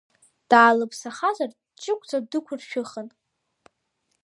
Даалыԥсахзар, дҷыгәӡа дықәыршәыхын.